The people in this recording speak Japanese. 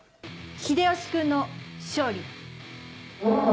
秀吉君の勝利。